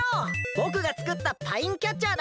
ぼくがつくったパインキャッチャーだ！